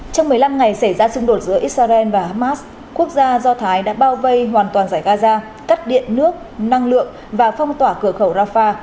trong một mươi năm ngày xảy ra xung đột giữa israel và hamas quốc gia do thái đã bao vây hoàn toàn giải gaza cắt điện nước năng lượng và phong tỏa cửa khẩu rafah